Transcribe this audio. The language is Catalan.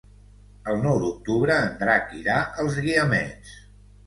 El nou d'octubre en Drac irà als Guiamets.